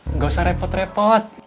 enggak usah repot repot